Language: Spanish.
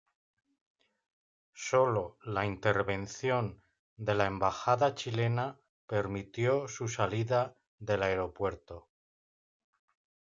Sólo la intervención de la Embajada chilena permitió su salida del aeropuerto.